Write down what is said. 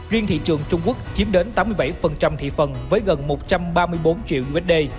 riêng thị trường trung quốc chiếm đến tám mươi bảy thị phần với gần một trăm ba mươi bốn triệu usd